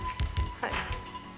はい。